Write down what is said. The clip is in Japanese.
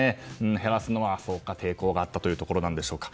減らすのは抵抗があったというところなんでしょうか。